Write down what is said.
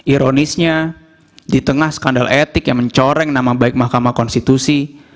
ironisnya di tengah skandal etik yang mencoreng nama baik mahkamah konstitusi